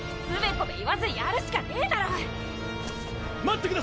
つべこべ言わずやるしかねえだろっ！